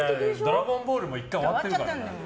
「ドラゴンボール」も１回終わってるんだよ。